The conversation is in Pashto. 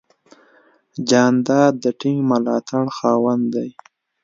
جانداد د ټینګ ملاتړ خاوند دی.